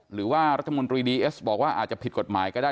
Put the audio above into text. หรือว่ารัฐมนตรีดีเอสบอกว่าอาจจะผิดกฎหมายก็ได้